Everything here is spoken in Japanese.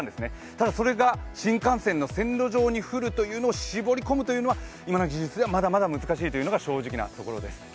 ただそれが新幹線の線路上に降るのを絞り込むのは今の技術ではまだまだ難しいというのが正直なところです。